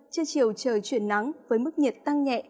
trưa chiều trời chuyển nắng với mức nhiệt tăng nhẹ